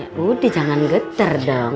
yaudah jangan geter dong